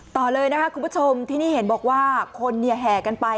ต่อเลยนะคะคุณผู้ชมที่นี่เห็นบอกว่าคนแห่กันไป